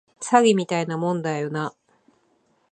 詐欺みたいなもんだよな